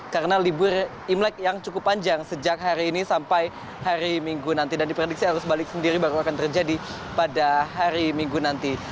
karena libur imlek yang cukup panjang sejak hari ini sampai hari minggu nanti dan diprediksi harus balik sendiri baru akan terjadi pada hari minggu nanti